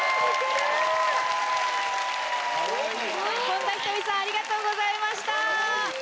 ・本田仁美さんありがとうございました。